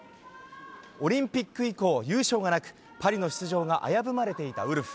オリンピック以降、優勝がなく、パリの出場が危ぶまれていたウルフ。